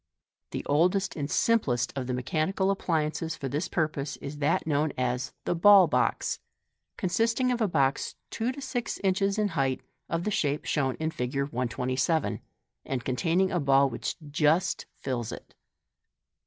The oldest and simplest of the mechanical appliances for this purpose is that known as the " ball box," consisting of a boi two to six inches in height, of the shape shown in Fig. 127, and containing a ball which just fills it.